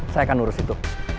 saya akan urus itu